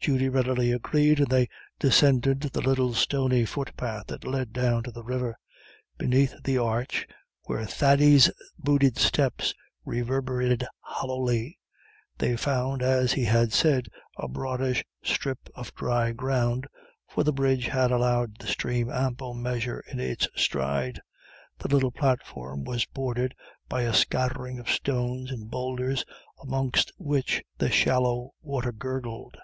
Judy readily agreed, and they descended the little stony footpath which led down to the river. Beneath the arch, where Thady's booted steps reverberated hollowly, they found, as he had said, a broadish strip of dry ground, for the bridge had allowed the stream ample measure in its stride. The little platform was bordered by a scattering of stones and boulders, amongst which the shallow water gurgled.